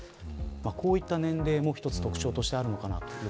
こうした年齢も一つ特徴としてあるのかな